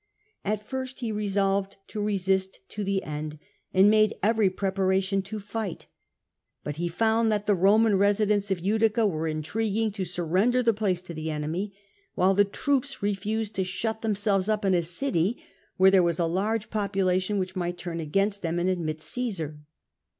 At first he resolved to resist to the end, and made every preparation to fight; but he found that the Eoman residents of Utica were intriguing to surrender the place to the enemy, while the troops refused to shut themselves up in a city where there was a large population which might turn against them and admit Cmsar.